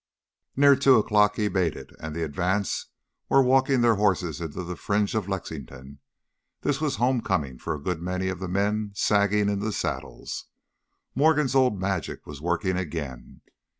Near two o'clock he made it, and the advance were walking their horses into the fringe of Lexington this was home coming for a good many of the men sagging in the saddles. Morgan's old magic was working again.